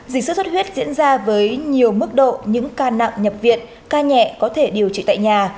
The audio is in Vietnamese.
dịch sốt xuất huyết diễn ra với nhiều mức độ những ca nặng nhập viện ca nhẹ có thể điều trị tại nhà